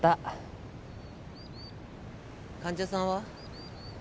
患者さんは？